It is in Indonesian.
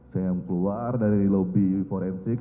saya keluar dari lobi forensik